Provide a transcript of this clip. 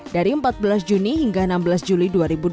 dari empat belas juni hingga enam belas juli dua ribu dua puluh